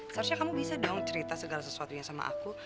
seharusnya kamu bisa dong cerita segala sesuatunya sama aku